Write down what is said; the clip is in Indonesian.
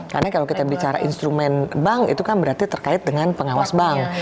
karena kalau kita bicara instrumen bank itu kan berarti terkait dengan pengawas bank